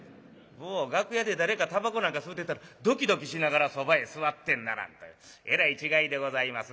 もう楽屋で誰かタバコなんか吸うてたらドキドキしながらそばへ座ってんならんというえらい違いでございますが。